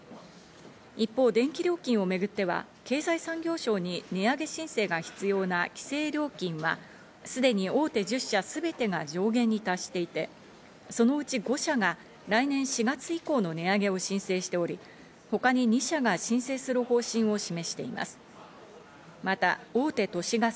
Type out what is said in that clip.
一方、電気料金をめぐっては経済産業省に値上げ申請が必要な規制料金はすでに大手１０社すべてが上限に達していてそのうち５社が来年４月以降の値上げを申請しており、ほかに２社が申請する方針を示しています。